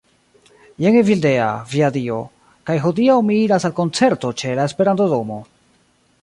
Jen Evildea. Via Dio. kaj hodiaŭ mi iras al koncerto ĉe la Esperanto-domo